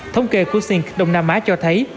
thông kê của sink đông nam á cho thấy